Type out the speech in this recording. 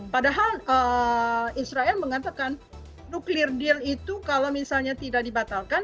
padahal israel mengatakan nuklir deal itu kalau misalnya tidak dibatalkan